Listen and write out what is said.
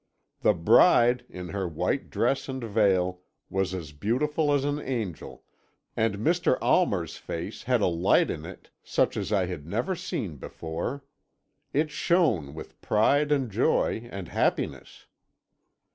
The bride, in her white dress and veil, was as beautiful as an angel, and Mr. Almer's face had a light in it such as I had never seen before it shone with pride, and joy, and happiness.